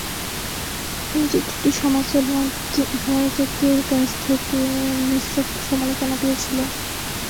চলচ্চিত্রটি সমালোচকদের কাছ থেকে মিশ্র সমালোচনা পেয়েছিল।